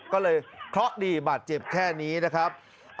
ก็เลยเคราะห์ดีบาดเจ็บแค่นี้นะครับ